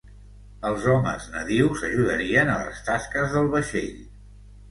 Els homes nadius ajudarien a les tasques del vaixell.